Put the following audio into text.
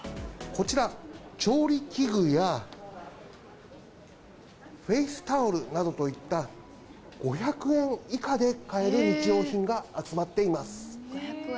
こちら、調理器具や、フェイスタオルなどといった、５００円以下で買える日用品が集まっています。